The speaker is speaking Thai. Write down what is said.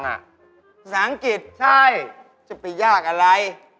ภาษาอังกฤษใช่จะไปยากอะไร